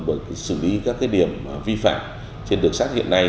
bởi xử lý các điểm vi phạm trên đường sắt hiện nay